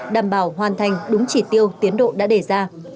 đảm bảo hoàn thành đúng chỉ tiêu tiến độ đã đề ra